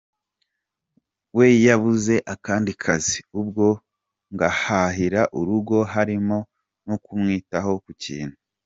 we yabuze akandi kazi; ubwo ngahahira urugo harimo no kumwitaho ku kintu.